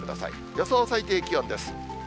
予想最低気温です。